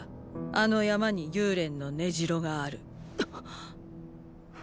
あの山に幽連の根城がある。！